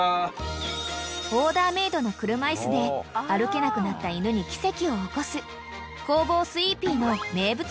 ［オーダーメードの車椅子で歩けなくなった犬に奇跡を起こす工房スイーピーの名物